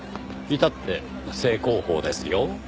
至って正攻法ですよ。